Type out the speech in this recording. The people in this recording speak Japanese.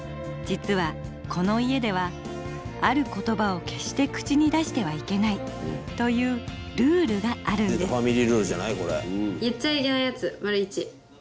実はこの家ではある言葉を決して口に出してはいけないというルールがあるんです。